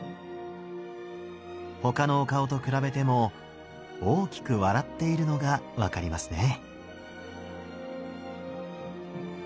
他のお顔と比べても大きく笑っているのが分かりますね。